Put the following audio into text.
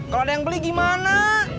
kalau ada yang beli gimana